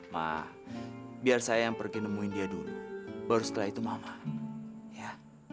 mah biar saya yang pergi nemuin dia dulu baru setelah itu mama ya